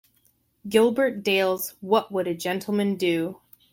Gilbert Dayle's What Would a Gentleman Do?